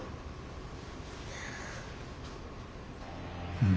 うん。